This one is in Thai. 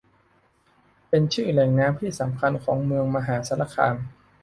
เป็นชื่อแหล่งน้ำที่สำคัญของเมืองมหาสารคาม